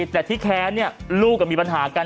แต่ที่แค้นเนี่ยลูกก็มีปัญหากัน